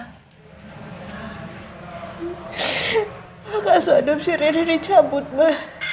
maka soal demsi rini dicabut ma